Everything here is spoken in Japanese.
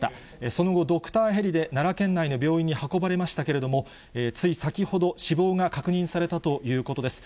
その後、ドクターヘリで奈良県内の病院に運ばれましたけれども、つい先ほど、死亡が確認されたということです。